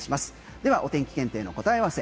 では、お天気検定の答え合わせ。